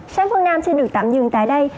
sáng phương nam xin được tạm dừng tại đây